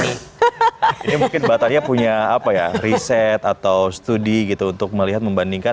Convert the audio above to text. ini mungkin batalia punya apa ya riset atau studi gitu untuk melihat membandingkan